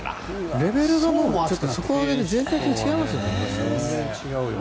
レベルが、底上げされて全体的に違いますよね。